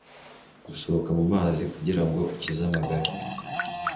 gusohoka mu mazi kugira ngo ukize amagara